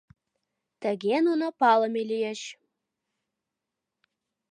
Тыге нуно палыме лийыч.